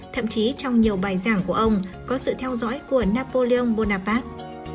thậm chí trong nhiều bài giảng của ông có sự theo dõi của napoleon bonaparte